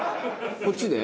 こっちで？